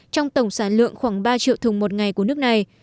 trong tổng sản lượng khoảng ba triệu thùng một ngày của nước này